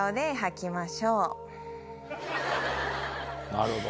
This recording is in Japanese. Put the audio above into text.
なるほど。